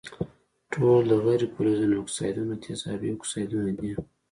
ټول د غیر فلزونو اکسایدونه تیزابي اکسایدونه دي.